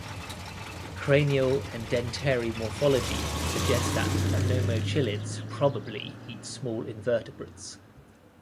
Cranial and dentary morphology suggests that anomochilids probably eat small invertebrates.